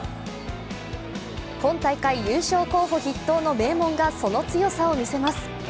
今大会、優勝候補筆頭の名門がその強さを見せます。